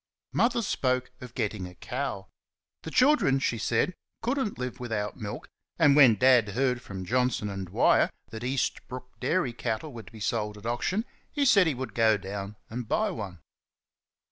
Mother spoke of getting a cow. The children, she said, could n't live without milk and when Dad heard from Johnson and Dwyer that Eastbrook dairy cattle were to be sold at auction, he said he would go down and buy one.